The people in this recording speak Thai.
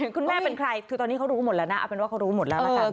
คุณแม่เป็นใครคือตอนนี้เขารู้หมดแล้วนะเอาเป็นว่าเขารู้หมดแล้วละกัน